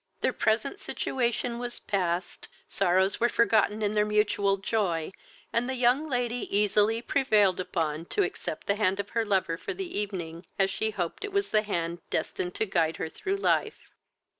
Their present situation was past sorrows were forgotten in their mutual joy, and the young lady easily prevailed upon to accept the hand of her lover for the evening, as she still hoped it was the hand destined to guide her through life.